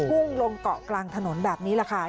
พุ่งลงเกาะกลางถนนแบบนี้แหละค่ะ